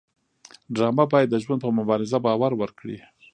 ډرامه باید د ژوند په مبارزه باور ورکړي